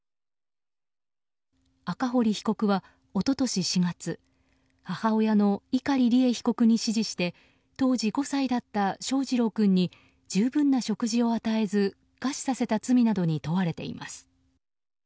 赤堀被告は一昨年４月母親の碇利恵被告に指示して当時５歳だった翔士郎君に十分な食事を与えず餓死させた罪などに問われています。